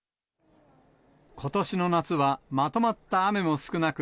ことしの夏はまとまった雨も少なく、